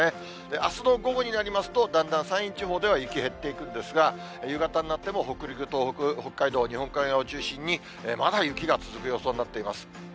あすの午後になりますと、だんだん山陰地方では雪、減っていくんですが、夕方になっても北陸、東北、北海道日本海側を中心に、まだ雪が続く予想になっています。